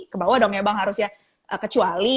kebawah dong ya bang harus ya kecuali